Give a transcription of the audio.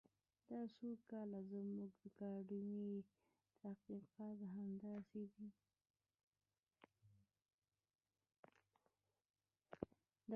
دا څو کاله زموږ اکاډمیک تحقیقات همداسې دي.